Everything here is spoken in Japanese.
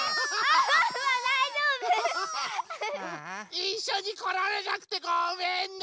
いっしょにこられなくてごめんね！